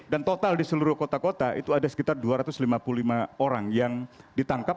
dan total di seluruh kota kota itu ada sekitar dua ratus lima puluh lima orang yang ditangkap